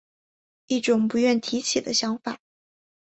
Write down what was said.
一种不愿提起的想法